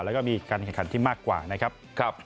แล้วก็มีการแข่งขันที่มากกว่านะครับ